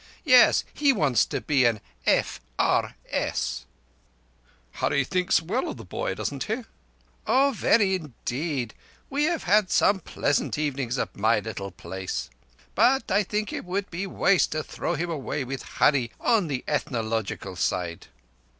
Yes, he wants to be an FRS. "Hurree thinks well of the boy, doesn't he?" "Oh, very indeed—we have had some pleasant evenings at my little place—but I think it would be waste to throw him away with Hurree on the Ethnological side."